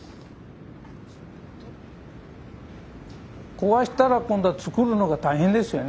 壊したら今度は造るのが大変ですよね。